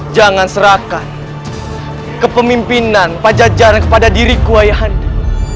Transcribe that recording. jangan serahkan kepemimpinan pajajaran kepada diriku ayah anda